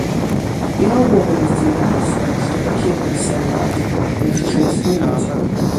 Я ўвогуле здзіўляюся, што такія пансіянаты яшчэ існуюць.